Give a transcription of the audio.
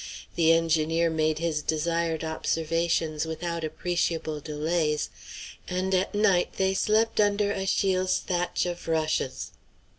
The engineer made his desired observations without appreciable delays, and at night they slept under Achille's thatch of rushes.